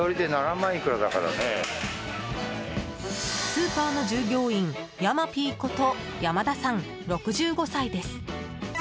スーパーの従業員やまぴーこと山田さん、６５歳です。